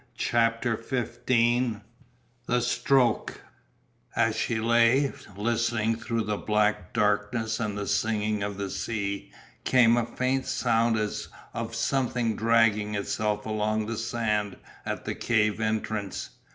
CHAPTER XV THE STROKE As she lay, listening, through the black darkness and the singing of the sea came a faint sound as of something dragging itself along the sand at the cave entrance.